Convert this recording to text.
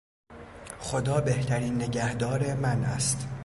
خدا بهترین نگهدار من است.